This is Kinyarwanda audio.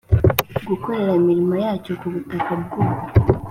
gukorera imirimo yacyo ku butaka bw u